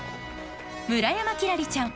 村山輝星ちゃん